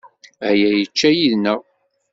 Aya yečča yid-neɣ.